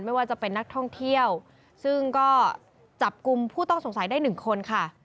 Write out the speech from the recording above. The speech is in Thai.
ไม่ว่าจะเป็นนักท่องเที่ยวซึ่งก็จับกลุ่มผู้ต้องสงสัยได้หนึ่งคนค่ะ